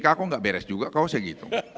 kau enggak beres juga kau usah gitu